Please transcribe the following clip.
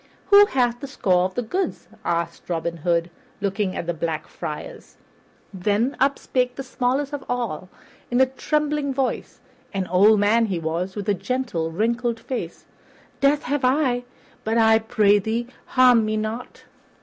"Who hath the score of the goods?" asked Robin Hood, looking at the Black Friars. Then up spake the smallest of all, in a trembling voice an old man he was, with a gentle, wrinkled face. "That have I; but, I pray thee, harm me not."